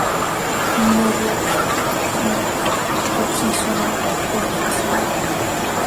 In Bulgaria, it is known as "gypsy summer" or "poor man's summer".